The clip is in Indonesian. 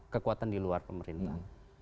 kekuatan di luar pemerintah